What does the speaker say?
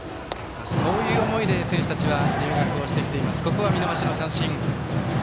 そういう思いで、選手たちは入学をしてきています。